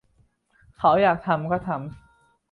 เขาอยากทำก็ทำ